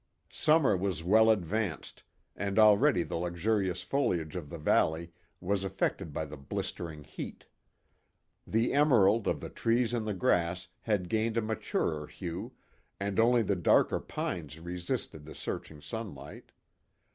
Summer was well advanced, and already the luxurious foliage of the valley was affected by the blistering heat. The emerald of the trees and the grass had gained a maturer hue, and only the darker pines resisted the searching sunlight.